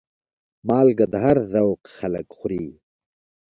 مالګه د هر ذوق خلک خوري.